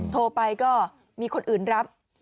โทรไปก็มีคนอื่นรับ